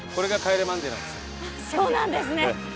そうなんですね！